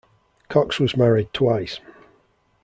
Cox was married twice.